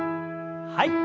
はい。